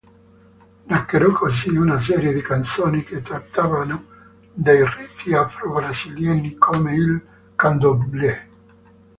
Nacquero così una serie di canzoni che trattavano dei riti afro-brasiliani come il candomblé.